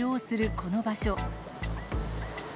この場所。